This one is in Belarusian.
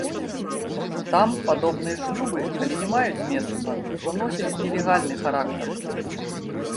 Там падобныя шлюбы, калі і маюць месца, то носяць нелегальны характар.